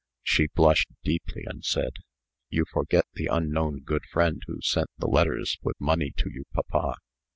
She blushed deeply, and said: "You forget the unknown good friend who sent the letters with money to you, papa."